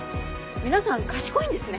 皆さん賢いんですね。